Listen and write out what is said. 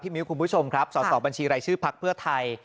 มิ้วคุณผู้ชมครับสอบบัญชีรายชื่อพักเพื่อไทย